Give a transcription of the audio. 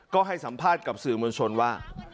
ก็ให้สัมภาษณ์กับสื่อมวลชนว่า